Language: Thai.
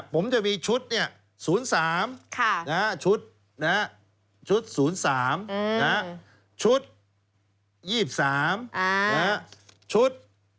ผมจะมีชุด๐๓นะฮะชุด๐๓นะฮะชุด๒๓นะฮะชุด๒๑